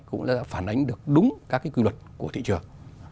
cũng đã phản ánh được đúng các cái quy luật của thị trường